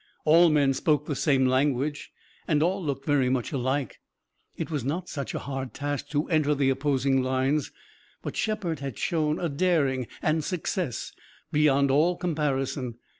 All men spoke the same language, and all looked very much alike. It was not such a hard task to enter the opposing lines, but Shepard had shown a daring and success beyond all comparison.